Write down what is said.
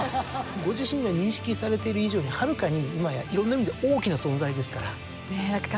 ご自身が認識されている以上にはるかに今やいろんな意味で大きな存在ですから。ねぇ。